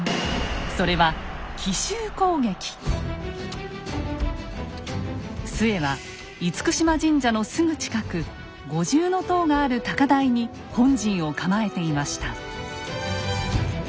それは陶は嚴島神社のすぐ近く五重塔がある高台に本陣を構えていました。